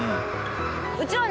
うちはね。